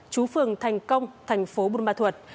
chú phường thành công thành phố bùn ma thuật